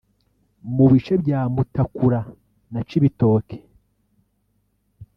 mu bice bya Mutakura na Cibitoke